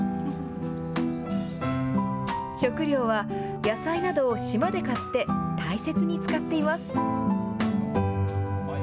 食料は、野菜などを島で買って大切に使っています。